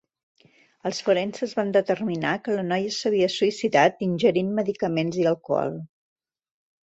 Els forenses van determinar que la noia s'havia suïcidat ingerint medicaments i alcohol.